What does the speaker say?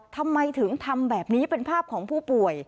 ทำไมถึงทำแบบนี้เป็นภาพของผู้ป่วย